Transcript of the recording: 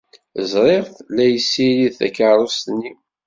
Ẓriɣ-t la yessirid takeṛṛust-nni.